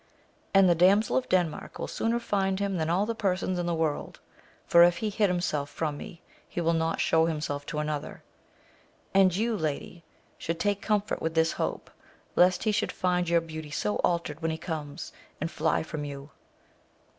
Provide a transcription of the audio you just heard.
And the Damsel of Denmark will sooner find him than all the persons in the world ; for, if he hid himself from me, he will not show himself to any other. And you, lady, should take comfort with this hope, lest he should find your beauty so altered when he comes, and fly from you.